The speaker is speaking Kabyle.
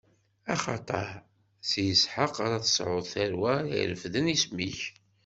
Axaṭer, s Isḥaq ara tesɛuḍ tarwa ara irefden isem-ik.